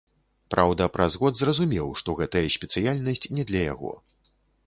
Праўда, праз год зразумеў, што гэтая спецыяльнасць не для яго.